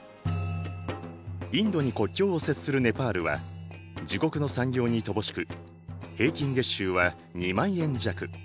インドに国境を接するネパールは自国の産業に乏しく平均月収は２万円弱。